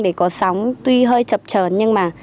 để có sóng tuy hơi chập trờn nhưng mà